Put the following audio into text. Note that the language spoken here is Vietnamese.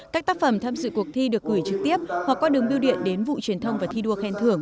các tác phẩm tham dự cuộc thi được gửi trực tiếp hoặc qua đường biêu điện đến vụ truyền thông và thi đua khen thưởng